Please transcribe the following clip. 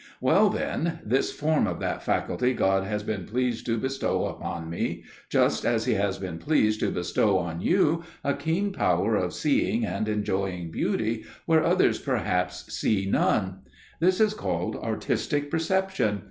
Well, then, this form of that faculty God has been pleased to bestow upon me, just as He has been pleased to bestow on you a keen power of seeing and enjoying beauty where others perhaps see none; this is called artistic perception.